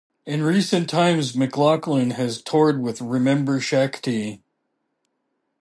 In recent times McLaughlin has toured with Remember Shakti.